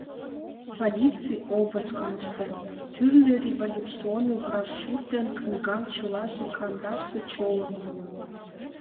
Полиций обыскым ыштен, тӱрлӧ революционный брошюр ден книгам чылаже кандашле чоло — муын.